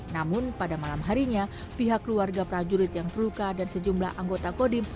namun pada malam harinya pihak keluarga prajurit yang terluka dan sejumlah anggota kodim